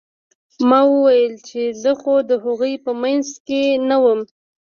ما وويل چې زه خو د هغوى په منځ کښې نه وم.